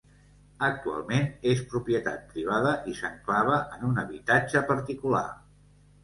Actualment és propietat privada i s'enclava en un habitatge particular.